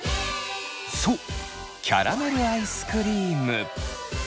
そうキャラメルアイスクリーム。